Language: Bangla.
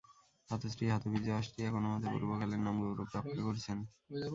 হতশ্রী হতবীর্য অষ্ট্রীয়া কোন মতে পূর্বকালের নাম-গৌরব রক্ষা করছেন।